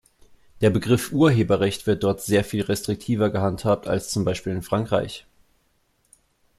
Der Begriff Urheberrecht wird dort sehr viel restriktiver gehandhabt als zum Beispiel in Frankreich.